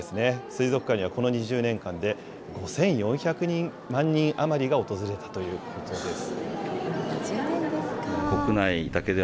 水族館にはこの２０年間で、５４００万人余りが訪れたということです。